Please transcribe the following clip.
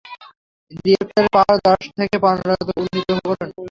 রিয়েক্টরের power দশ থেকে পনেরতে উন্নীত করুন।